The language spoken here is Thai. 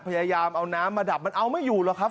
พยายามเอาน้ำมาดับมันเอาไม่อยู่หรอกครับ